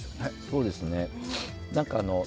そうですね。